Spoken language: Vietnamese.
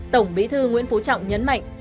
tổng bí thư nguyễn phú trọng nhấn mạnh